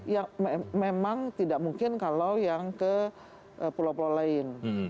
yang memang tidak mungkin kalau yang ke pulau pulau lain